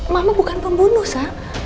mama bukan pembunuh sa